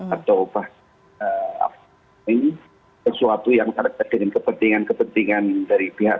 atau bahkan sesuatu yang terkait dengan kepentingan kepentingan dari pihak